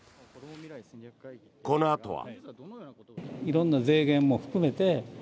このあとは。